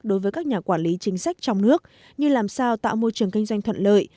đối với các nhà quản lý chính sách trong nước như làm sao tạo môi trường kinh doanh thuận lợi